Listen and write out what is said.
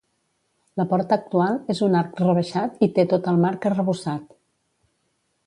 La porta actual és un arc rebaixat i té tot el marc arrebossat.